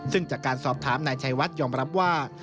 ซึ่งจากการสอบถามนายชัยวัดยอมรับว่า